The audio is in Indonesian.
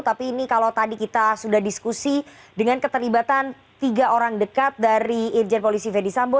tapi ini kalau tadi kita sudah diskusi dengan keterlibatan tiga orang dekat dari irjen polisi fedy sambo